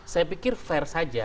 saya pikir fair saja